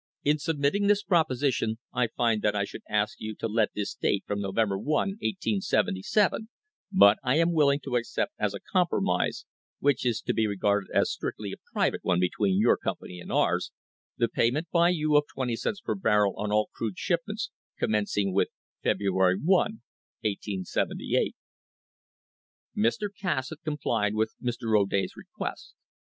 ... In submitting this proposition I find that I should ask you to let this date from November I, 1877, but I am willing to accept as a compromise (which is to be regarded as strictly a private one between your company and ours) the payment by you of twenty cents per barrel on all crude oil shipments commencing with February 1, 1878."* Mr. Cassatt complied with Mr. O'Day's request.